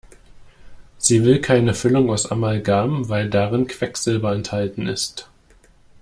Sie will keine Füllung aus Amalgam, weil darin Quecksilber enthalten ist.